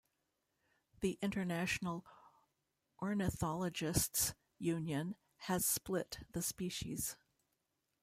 The International Ornithologists' Union has split the species.